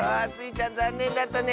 ちゃんざんねんだったね。